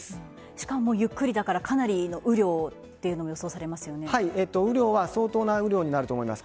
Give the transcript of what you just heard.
しかも、ゆっくりだからかなりの雨量というのが雨量は相当な雨量になると思います。